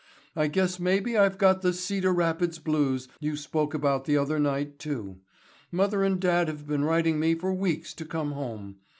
I guess maybe I've got the "Cedar Rapids blues" you spoke about the other night, too. Mother and dad have been writing me for weeks to come home.